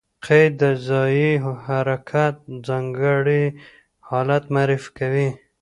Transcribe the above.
قید د ځایي حرکت ځانګړی حالت معرفي کوي.